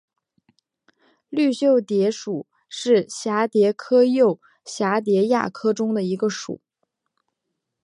绿袖蝶属是蛱蝶科釉蛱蝶亚科中的一个属。